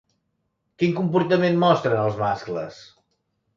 Quin comportament mostren els mascles?